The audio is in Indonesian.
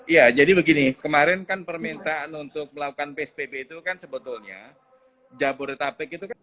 ya jadi begini kemarin kan permintaan untuk melakukan psbb itu kan sebetulnya jabodetabek itu kan